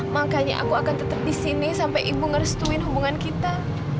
makanya aku akan tetap disini sampai ibu merestuin hubungan kita